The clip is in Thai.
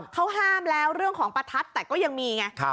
เขาห้ามแล้วเรื่องของประทัดแต่ก็ยังมีไง